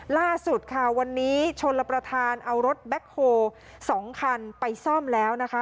ล่าสุดค่ะวันนี้ชนรับประทานเอารถแบ็คโฮ๒คันไปซ่อมแล้วนะคะ